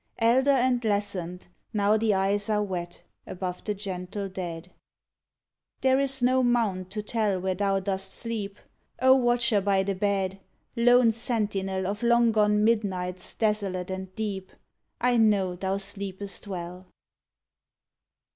Elder and lessoned, now the eyes are wet Above the gentle dead. 47 TO AN OLD NURSE There is no mound to tell where thou dost sleep O watcher by the bed, lone sentinel Of long gone midnights desolate and deep, I know thou sleepest well!